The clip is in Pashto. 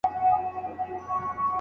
همېشه یې وې په شاتو نازولي